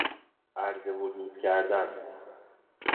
عرض وجود کردن